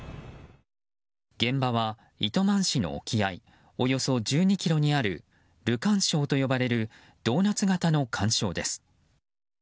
現場は、糸満市の沖合およそ１２ｋｍにあるルカン礁と呼ばれるドーナツ形の環礁です。